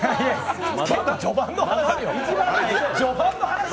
結構序盤の話よ？